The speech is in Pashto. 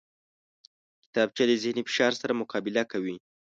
کتابچه له ذهني فشار سره مقابله کوي